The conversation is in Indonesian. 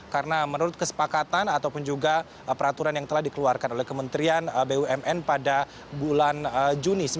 karena menurut kesepakatan ataupun juga peraturan yang telah dikeluarkan oleh kementerian bumn pada bulan juni